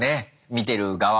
見てる側は。